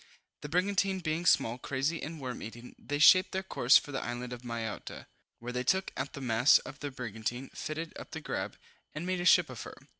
The brigantine being small, crazy and worm eaten, they shaped their course for the island of Mayotta, where they took out the masts of the brigantine, fitted up the grab, and made a ship of her.